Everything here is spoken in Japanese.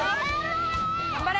頑張れ。